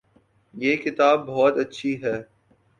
یہ کتاب بہت اچھی ہے